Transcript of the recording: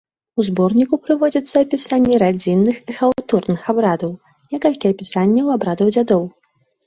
У зборніку прыводзяцца апісанні радзінных і хаўтурных абрадаў, некалькі апісанняў абрадаў дзядоў.